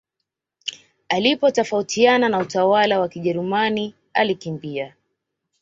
Alipotafautiana na utawala wa kijerumani alikimbia